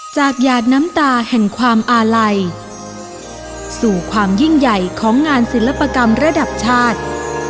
หยาดน้ำตาแห่งความอาลัยสู่ความยิ่งใหญ่ของงานศิลปกรรมระดับชาติ